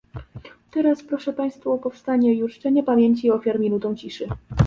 Teraz proszę państwa o powstanie i uczczenie pamięci ofiar minutą ciszy